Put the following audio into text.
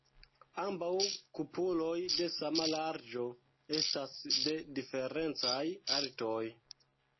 Ambaŭ kupoloj de sama larĝo estas de diferencaj altoj.